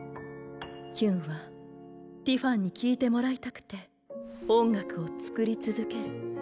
ヒュンはティファンに聴いてもらいたくて音楽を作り続ける。